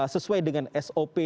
sesuai dengan sop